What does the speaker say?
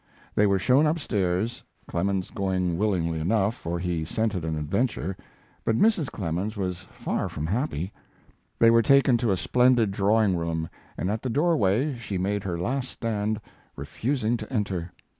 They were shown up stairs, Clemens going willingly enough, for he scented an adventure; but Mrs. Clemens was far from happy. They were taken to a splendid drawing room, and at the doorway she made her last stand, refusing to enter.